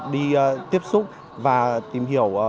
đi tiếp xúc và tìm hiểu